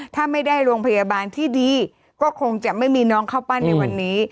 ถ้าไม่ได้โรงพยาบาลที่ดีก็คงจะไม่มีน้องเข้าปั้นในวันนี้